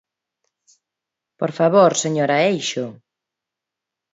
¡Por favor, señora Eixo!